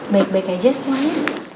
baik baik aja semuanya